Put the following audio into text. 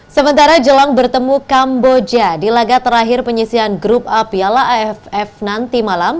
sementara jelang bertemu kamboja di laga terakhir penyisian grup a piala aff nanti malam